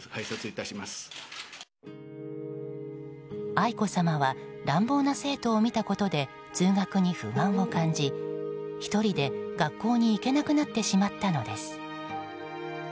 愛子さまは、乱暴な生徒を見たことで通学に不安を感じ１人で学校に行けなくなってしまったのです。